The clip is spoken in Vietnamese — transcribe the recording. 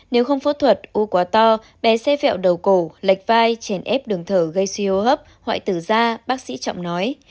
nếu không phẫu thuật u quá to bé sẽ phẹo đầu cổ lạch vai chèn ép đường thở gây suy hô hấp hoại tử da bác sĩ trọng nói